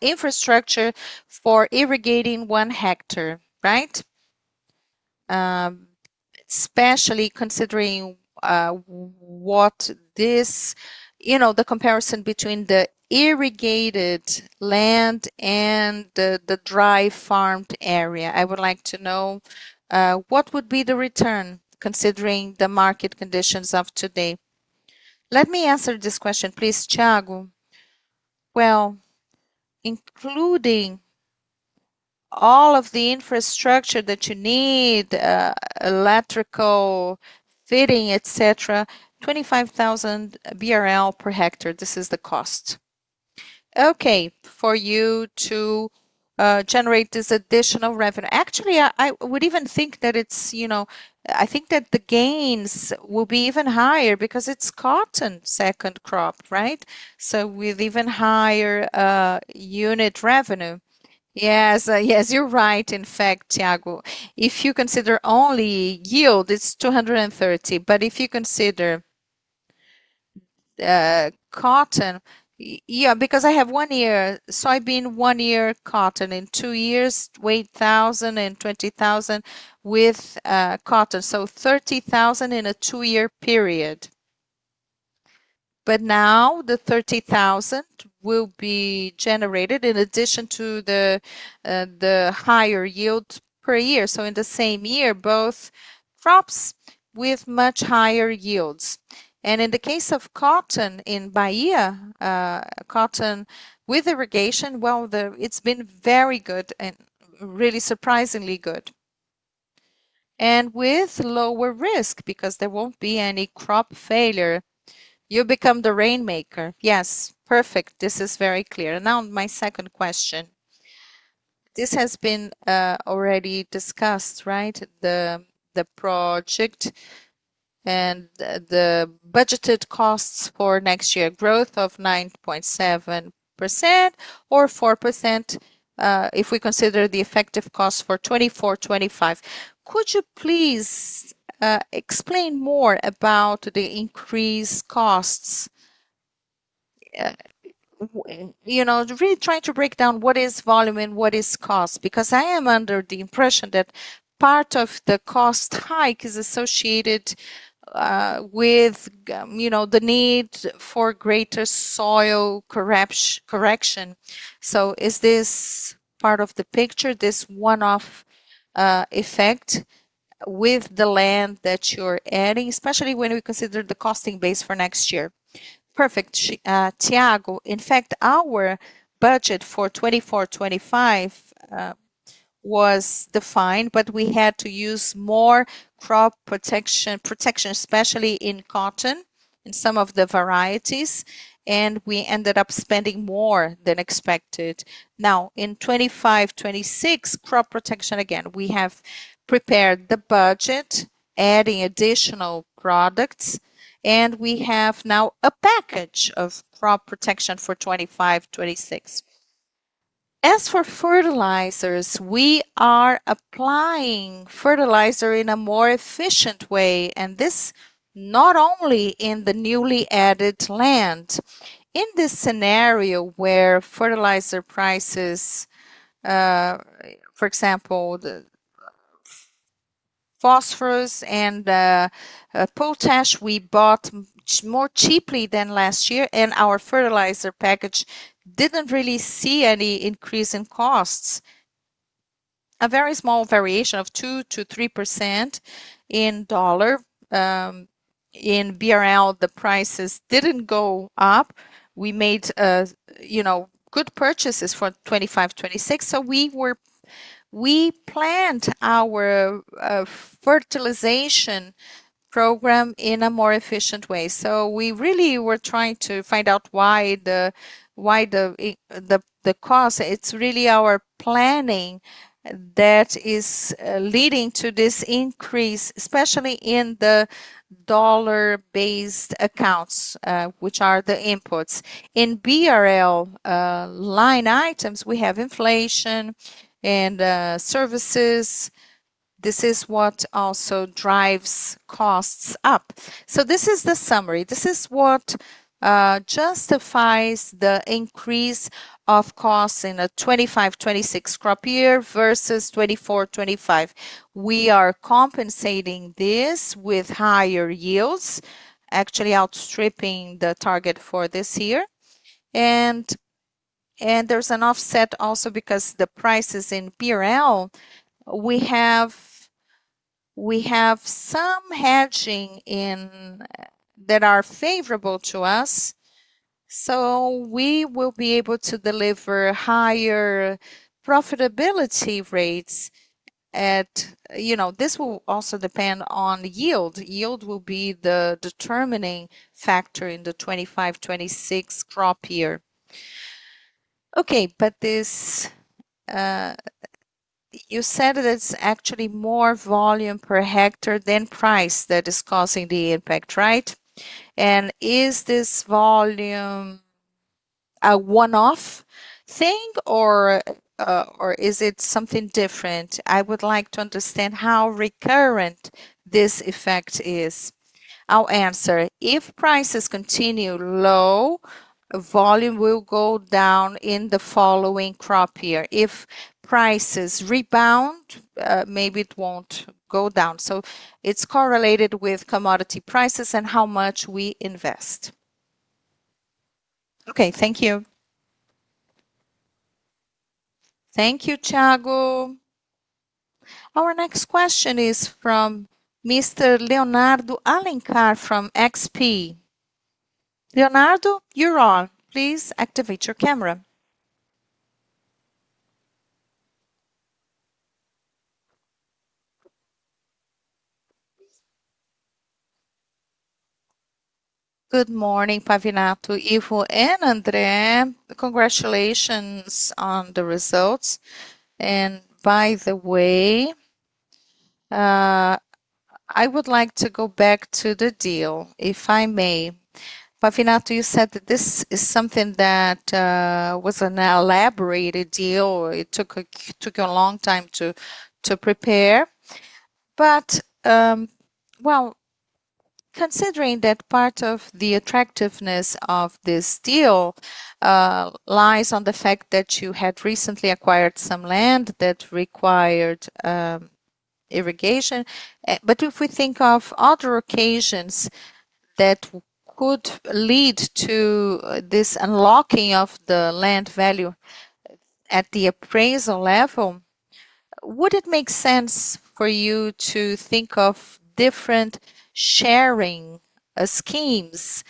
infrastructure for irrigating one hectare, right? Especially considering what this, you know, the comparison between the irrigated land and the dry farmed area. I would like to know what would be the return considering the market conditions of today. Let me answer this question, please, Tiago. Including all of the infrastructure that you need, electrical fitting, etc., 25,000 BRL per hectare, this is the cost. Okay. For you to generate this additional revenue. Actually, I would even think that it's, you know, I think that the gains will be even higher because it's cotton, second crop, right? With even higher unit revenue. Yes, yes, you're right, in fact, Tiago. If you consider only yield, it's 230. If you consider cotton, yeah, because I have one year soybean, one year cotton, in two years, 20,000 and 20,000 with cotton. So 30,000 in a two-year period. Now the 30,000 will be generated in addition to the higher yield per year. In the same year, both crops with much higher yields. In the case of cotton in Bahia, cotton with irrigation, it's been very good and really surprisingly good. With lower risk because there won't be any crop failure. You become the rainmaker. Yes, perfect. This is very clear. Now my second question. This has been already discussed, right? The project and the budgeted costs for next year, growth of 9.7% or 4% if we consider the effective cost for 2024-2025. Could you please explain more about the increased costs? You know, really trying to break down what is volume and what is cost because I am under the impression that part of the cost hike is associated with, you know, the need for greater soil correction. So is this part of the picture, this one-off effect with the land that you're adding, especially when we consider the costing base for next year? Perfect. Tiago, in fact, our budget for 2024-2025 was defined, but we had to use more crop protection, especially in cotton and some of the varieties, and we ended up spending more than expected. Now in 2025-2026, crop protection again, we have prepared the budget, adding additional products, and we have now a package of crop protection for 2025-2026. As for fertilizers, we are applying fertilizer in a more efficient way, and this not only in the newly added land. In this scenario where fertilizer prices, for example, the phosphorus and potash, we bought more cheaply than last year, and our fertilizer package did not really see any increase in costs. A very small variation of 2-3% in dollar. In BRL, the prices did not go up. We made, you know, good purchases for 2025, 2026. We planned our fertilization program in a more efficient way. We really were trying to find out why the cost, it is really our planning that is leading to this increase, especially in the dollar-based accounts, which are the inputs. In BRL line items, we have inflation and services. This is what also drives costs up. This is the summary. This is what justifies the increase of costs in a 2025, 2026 crop year versus 2024, 2025. We are compensating this with higher yields, actually outstripping the target for this year. There is an offset also because the prices in BRL, we have some hedging in that are favorable to us. We will be able to deliver higher profitability rates at, you know, this will also depend on yield. Yield will be the determining factor in the 2025-2026 crop year. Okay, but this, you said that it is actually more volume per hectare than price that is causing the impact, right? Is this volume a one-off thing or is it something different? I would like to understand how recurrent this effect is. I'll answer. If prices continue low, volume will go down in the following crop year. If prices rebound, maybe it will not go down. It is correlated with commodity prices and how much we invest. Okay, thank you. Thank you, Tiago. Our next question is from Mr. Leonardo Alencar from XP. Leonardo, you're on. Please activate your camera. Good morning, Pavinato, Ivo and André. Congratulations on the results. By the way, I would like to go back to the deal, if I may. Pavinato, you said that this is something that was an elaborated deal. It took a long time to prepare. Considering that part of the attractiveness of this deal lies on the fact that you had recently acquired some land that required irrigation. If we think of other occasions that could lead to this unlocking of the land value at the appraisal level, would it make sense for you to think of different sharing schemes?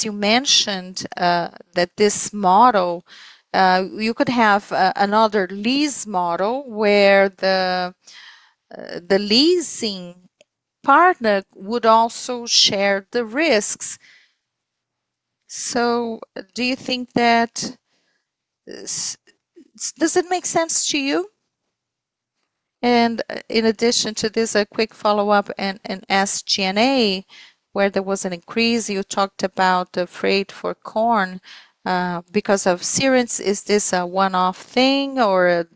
You mentioned that this model, you could have another lease model where the leasing partner would also share the risks. Do you think that, does it make sense to you? In addition to this, a quick follow-up on SG&A where there was an increase, you talked about the freight for corn because of Sirius. Is this a one-off thing or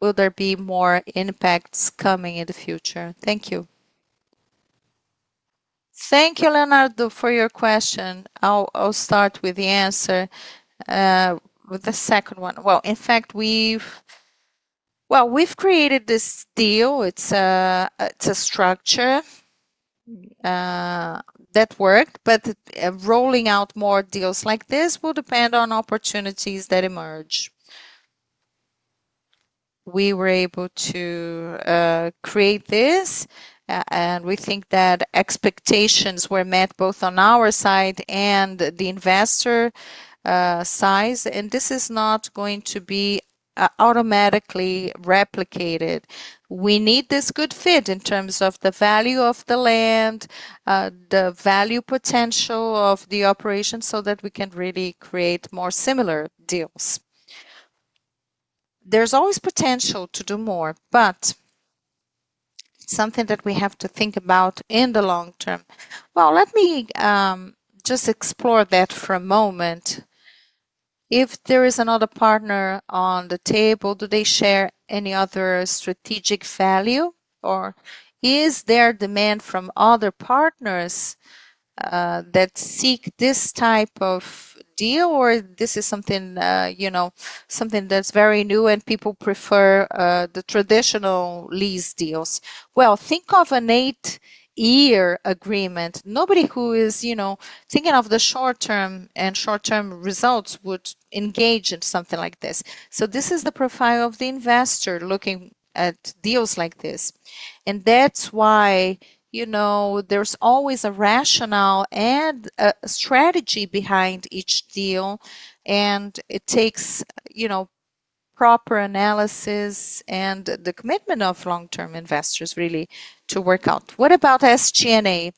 will there be more impacts coming in the future? Thank you. Thank you, Leonardo, for your question. I'll start the answer with the second one. In fact, we have created this deal. It's a structure that worked, but rolling out more deals like this will depend on opportunities that emerge. We were able to create this and we think that expectations were met both on our side and the investor side. This is not going to be automatically replicated. We need this good fit in terms of the value of the land, the value potential of the operation so that we can really create more similar deals. There is always potential to do more, but something that we have to think about in the long term. Let me just explore that for a moment. If there is another partner on the table, do they share any other strategic value or is there demand from other partners that seek this type of deal or this is something, you know, something that is very new and people prefer the traditional lease deals? Think of an eight-year agreement. Nobody who is, you know, thinking of the short term and short term results would engage in something like this. This is the profile of the investor looking at deals like this. That is why, you know, there is always a rationale and a strategy behind each deal. It takes, you know, proper analysis and the commitment of long-term investors really to work out. What about SG&A?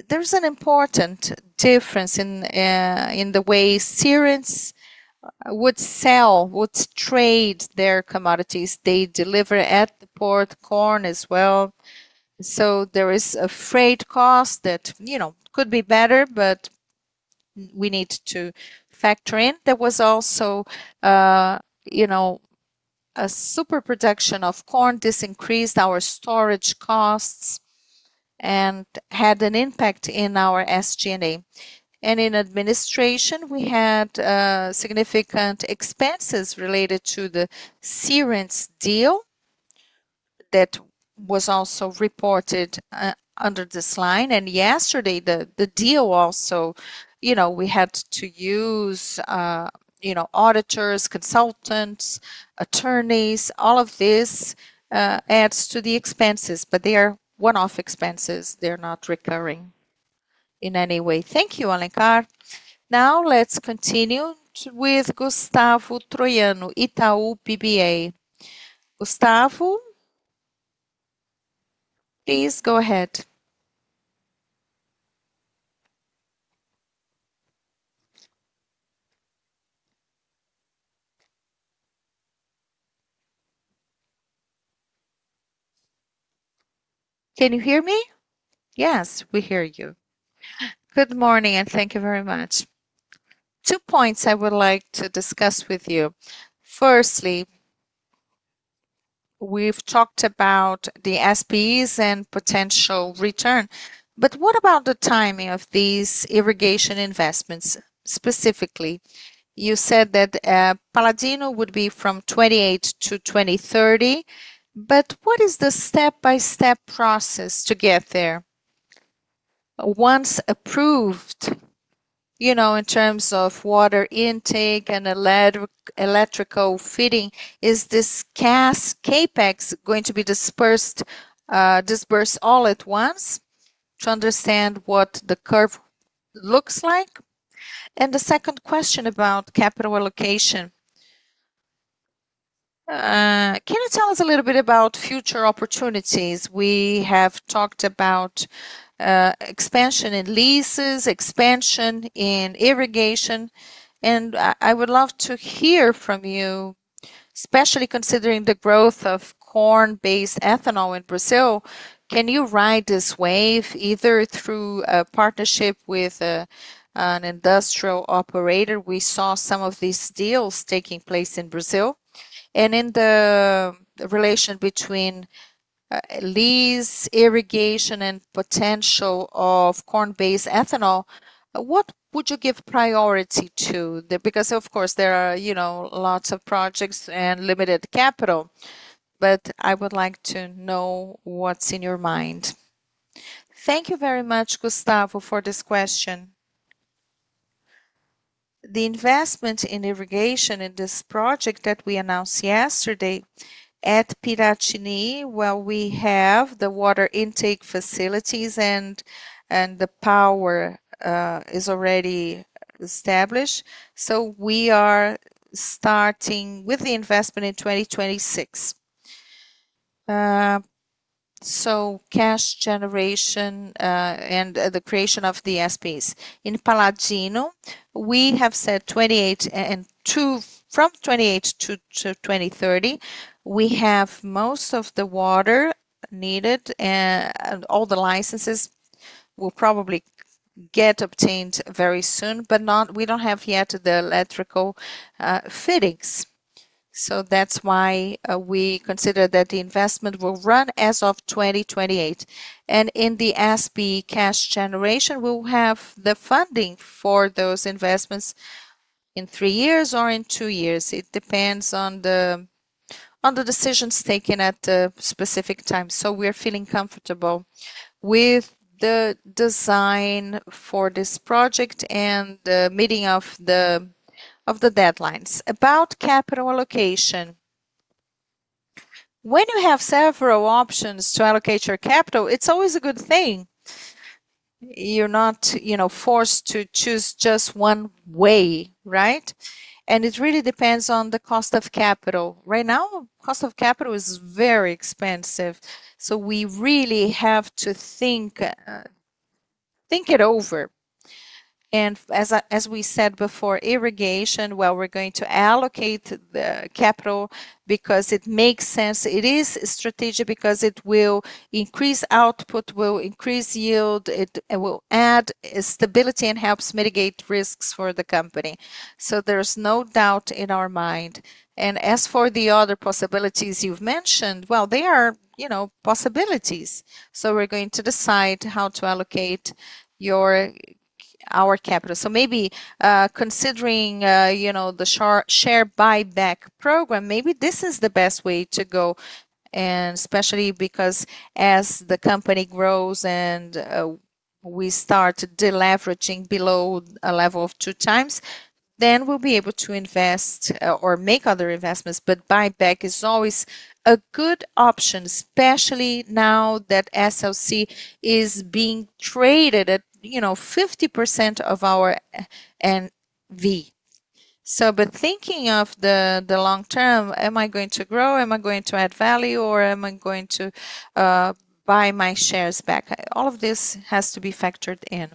There is an important difference in the way Sirius would sell, would trade their commodities. They deliver at the port corn as well. There is a freight cost that, you know, could be better, but we need to factor in. There was also, you know, a super production of corn. This increased our storage costs and had an impact in our SG&A. In administration, we had significant expenses related to the Sirius deal that was also reported under this line. Yesterday, the deal also, you know, we had to use, you know, auditors, consultants, attorneys. All of this adds to the expenses, but they are one-off expenses. They're not recurring in any way. Thank you, Alencar. Now let's continue with Gustavo Troiano, Itaú BBA. Gustavo, please go ahead. Can you hear me? Yes, we hear you. Good morning and thank you very much. Two points I would like to discuss with you. Firstly, we've talked about the SPEs and potential return, but what about the timing of these irrigation investments specifically? You said that Paladino would be from 2028 to 2030, but what is the step-by-step process to get there? Once approved, you know, in terms of water intake and electrical fitting, is this CapEx going to be dispersed all at once? To understand what the curve looks like. The second question about capital allocation. Can you tell us a little bit about future opportunities? We have talked about expansion in leases, expansion in irrigation, and I would love to hear from you, especially considering the growth of corn-based ethanol in Brazil. Can you ride this wave either through a partnership with an industrial operator? We saw some of these deals taking place in Brazil. In the relation between lease, irrigation, and potential of corn-based ethanol, what would you give priority to? Because of course, there are, you know, lots of projects and limited capital, but I would like to know what's in your mind. Thank you very much, Gustavo, for this question. The investment in irrigation in this project that we announced yesterday at Piratini, where we have the water intake facilities and the power is already established. We are starting with the investment in 2026. Cash generation and the creation of the SPEs. In Paladino, we have said 28 and 2 from 28 to 2030, we have most of the water needed and all the licenses will probably get obtained very soon, but we do not have yet the electrical fittings. That is why we consider that the investment will run as of 2028. In the SBE cash generation, we will have the funding for those investments in three years or in two years. It depends on the decisions taken at the specific time. We are feeling comfortable with the design for this project and the meeting of the deadlines. About capital allocation, when you have several options to allocate your capital, it is always a good thing. You are not, you know, forced to choose just one way, right? It really depends on the cost of capital. Right now, cost of capital is very expensive. We really have to think, think it over. As we said before, irrigation, we are going to allocate the capital because it makes sense. It is a strategy because it will increase output, will increase yield, it will add stability and helps mitigate risks for the company. There is no doubt in our mind. As for the other possibilities you have mentioned, they are, you know, possibilities. We are going to decide how to allocate your, our capital. Maybe considering, you know, the share buyback program, maybe this is the best way to go. Especially because as the company grows and we start deleveraging below a level of 2 times, then we will be able to invest or make other investments. Buyback is always a good option, especially now that SLC is being traded at, you know, 50% of our NV. But thinking of the long term, am I going to grow? Am I going to add value or am I going to buy my shares back? All of this has to be factored in.